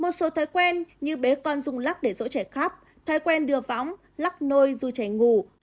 một số thói quen như bé con dung lắc để dỗ trẻ khóc thói quen đưa vóng lắc nôi dù trẻ ngủ